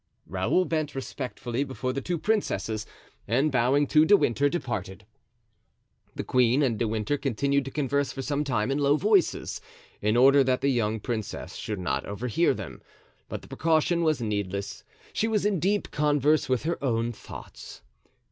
Raoul bent respectfully before the two princesses, and bowing to De Winter, departed. The queen and De Winter continued to converse for some time in low voices, in order that the young princess should not overhear them; but the precaution was needless: she was in deep converse with her own thoughts.